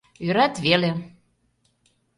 Ӧрат веле!